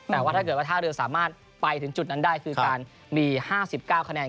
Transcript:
แต่ว่าถ้าเกิดว่าท่าเรือสามารถไปถึงจุดนั้นได้คือการมี๕๙คะแนน